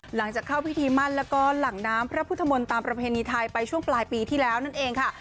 หลังจากเข้าพิธีมั่นแล้วก็หลังน้ำพระพุทธมนตร์ตามประเพณีไทยไปช่วงปลายปีที่แล้วนั่นเองค่ะ